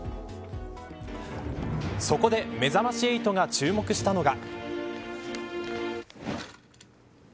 そこでめざまし８が注目したのが。